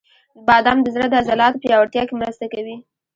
• بادام د زړه د عضلاتو پیاوړتیا کې مرسته کوي.